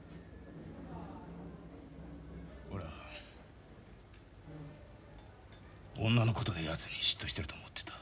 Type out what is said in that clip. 俺は女のことでやつに嫉妬してると思ってた。